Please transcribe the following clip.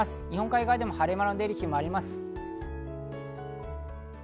日本海側でも晴れ間が出る日があります。